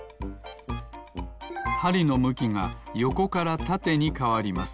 はりのむきがよこからたてにかわります。